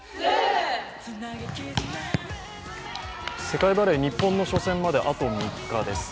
世界バレー、日本の初戦まであと３日です。